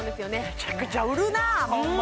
めちゃくちゃ売るなホンマ